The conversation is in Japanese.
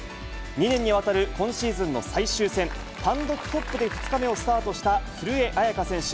２年にわたる今シーズンの最終戦、単独トップで２日目をスタートした古江彩佳選手。